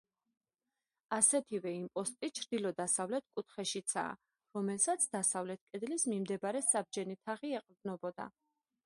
ასეთივე იმპოსტი ჩრდილო-დასავლეთ კუთხეშიცაა, რომელსაც დასავლეთ კედლის მიმდებარე საბჯენი თაღი ეყრდნობოდა.